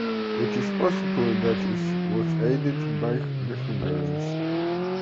It is possible that it was aided by the Hungarians.